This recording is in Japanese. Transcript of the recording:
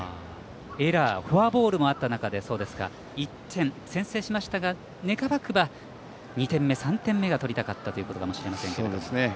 エラー、フォアボールもあった中で１点、先制しましたが願わくば２点目、３点目が取りたかったということかもしれませんけども。